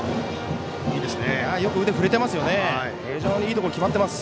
よく腕、振れてますよね。